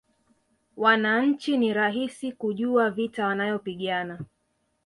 Wananchi ni rahisi kujua vita wanayopigana